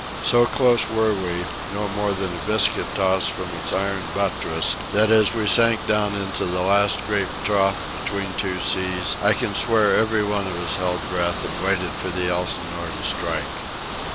So close were we, no more than a biscuit toss from its iron buttress, that as we sank down into the last great trough between two seas I can swear every one of us held breath and waited for the Elsinore to strike.